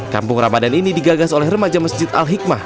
kampung ramadan ini digagas oleh remaja masjid al hikmah